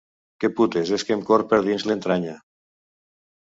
Que putes és que em corr per dins l’entranya.